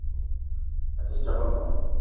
A te djegue meng.